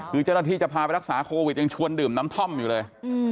คือเจ้าหน้าที่จะพาไปรักษาโควิดยังชวนดื่มน้ำท่อมอยู่เลย